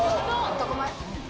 男前。